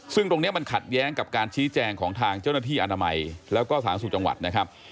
ซึ่งตรงนี้มันขัดแย้งกับการชี้แจงของทางเจ้าหน้าที่อนามัยแล้วก็สาธารณสุขจังหวัดนะครับ